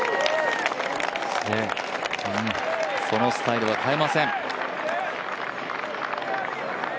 そのスタイルは変えません。